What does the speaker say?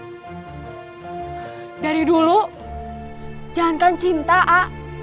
hai dari dulu jangankan cinta a